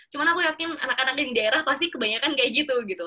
cuma aku yakin anak anak yang di daerah pasti kebanyakan kayak gitu gitu